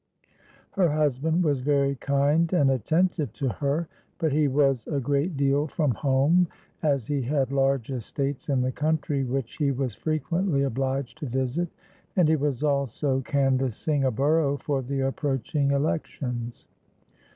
Her husband was very kind and attentive to her; but he was a great deal from home, as he had large estates in the country which he was frequently obliged to visit, and he was also canvassing a borough for the approaching elections.